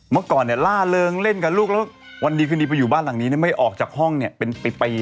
มั่งก่อนมันล่ะเอองเล่นด้ากับลูกแล้วบ้านหลังนี้ไม่ออกจากห้องเป็นปี